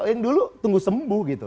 yang dulu tunggu sembuh gitu